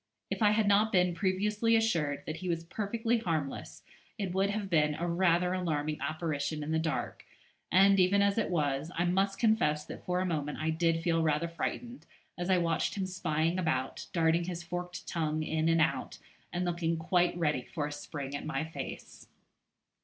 If I had not been previously assured that he was perfectly harmless, it would have been rather an alarming apparition in the dark, and, even as it was, I must confess that for a moment I did feel rather frightened as I watched him spying about, darting his forked tongue in and out, and looking quite ready for a spring at my face.